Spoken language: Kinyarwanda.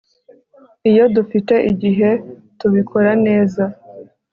iyo dufite igihe, tubikora neza